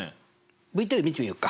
ＶＴＲ見てみよっか。